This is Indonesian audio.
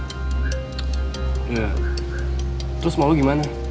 iya terus mau lo gimana